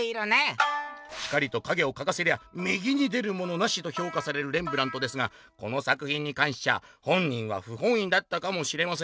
「『光と影を描かせりゃ右に出るものなし！』とひょうかされるレンブラントですがこの作ひんにかんしちゃ本人はふほんいだったかもしれません」。